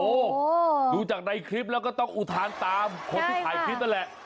โอ้โหดูจากในคลิปแล้วก็ต้องอุทานตามคนที่ถ่ายคลิปนั่นแหละ